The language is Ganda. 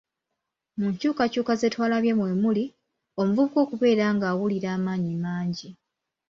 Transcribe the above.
Mu nkyukykyuka ze twalabye mwe muli, omuvubuka okubeera ng'awulira amaanyi mangi.